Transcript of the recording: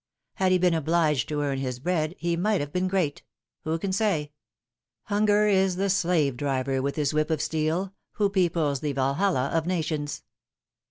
Had he been obliged to earn his bread, he might have been great. Who can say ? Hunger is the slave driver, with his whip of steel, who peoples the Valhalla of nations.